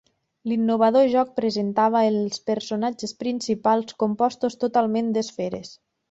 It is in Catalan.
L'innovador joc presentava els personatges principals compostos totalment d'esferes.